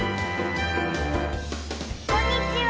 こんにちは！